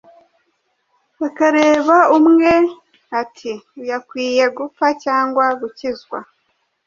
Akareba umwe ati Uyu akwiye gupfa cyangwa gukizwa